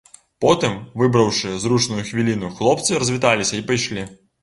Потым, выбраўшы зручную хвіліну, хлопцы развіталіся і пайшлі.